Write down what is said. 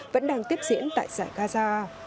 vẫn đang tiếp diễn tại giải gaza